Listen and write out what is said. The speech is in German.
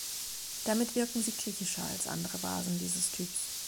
Damit wirken sie griechischer als andere Vasen dieses Typs.